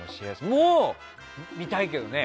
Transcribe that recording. もう、見たいけどね。